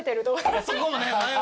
そこもね